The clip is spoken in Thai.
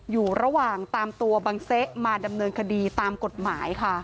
อยู่ระหว่างตามตัวบังเซะมาดำเนินคดีตามกฎหมายค่ะ